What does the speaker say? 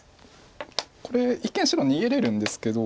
これ一見白逃げれるんですけど。